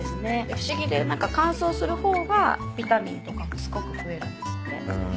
不思議で何か乾燥する方がビタミンとかもすごく増えるんですって。へ。